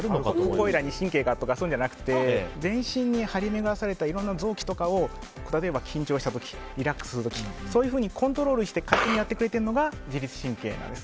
ここいらに神経がっていうのではなくて全身に張り巡らされたいろんな臓器とかを例えば、緊張した時リラックスした時そういうふうにコントロールして勝手にやってくれているのが自律神経なんです。